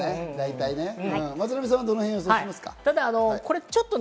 松並さんはどの辺を予想しますか？